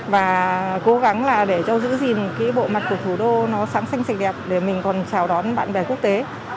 và cố gắng là để cho giữ gìn cái bộ mặt của thủ đô nó sáng xanh sạch đẹp để mình còn chào đón bạn bè quốc tế